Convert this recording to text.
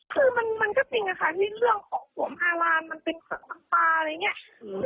คือว่ามันก็จริงนะครับเรื่องของผวมอารามเรียกว่ามันเป็นเสริชปังปลาอะไรอย่างนี้